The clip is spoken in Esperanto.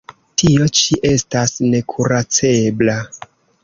Tio ĉi estas nekuracebla.